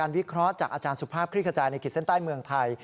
วิเคราะห์จากอาจารย์สุภาพคลิกขจายในขีดเส้นใต้เมืองไทย